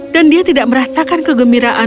dan dia tidak merasakan kegembiraan